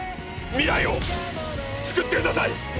未来を救ってください！